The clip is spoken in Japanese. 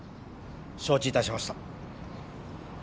承知いたしました。